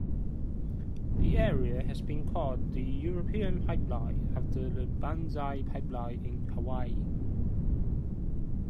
The area has been called the "European Pipeline", after the Banzai Pipeline in Hawaii.